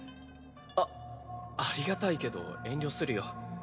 あありがたいけど遠慮するよ。